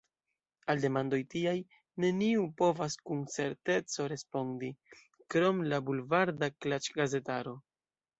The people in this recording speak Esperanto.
Al demandoj tiaj neniu povas kun certeco respondi – krom la bulvarda klaĉgazetaro.